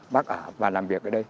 bác ở và làm việc ở đây